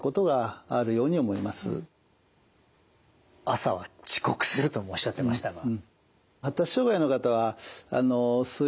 「朝は遅刻する」ともおっしゃってましたが。